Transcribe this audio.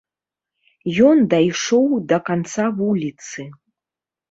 Ён дайшоў да канца вуліцы.